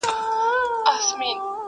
چوپ پاته وي